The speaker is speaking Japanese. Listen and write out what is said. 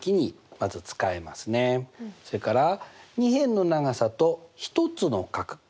それから２辺の長さと１つの角